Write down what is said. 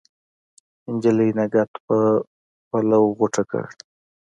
نجلۍ نګهت په پلو غوټه کړ